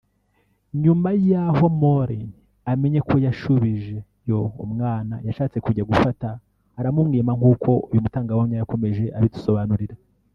nyuma yaho Moreen amenye ko yashubijeyo umwana yashatse kujya kufata aramumwima nk’uko uyu mutangabuhamya yakomeje abidusobanurira